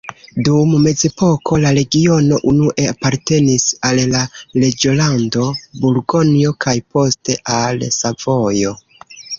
Dum mezepoko la regiono unue apartenis al la reĝolando Burgonjo kaj poste al Savojo.